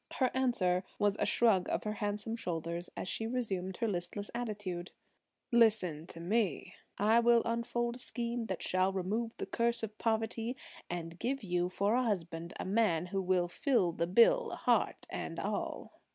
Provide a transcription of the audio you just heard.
Her answer was a shrug of her handsome shoulders as she resumed her listless attitude. "Listen to me; I will unfold a scheme that shall remove the curse of poverty, and give you for a husband a man who will fill the bill, heart and all."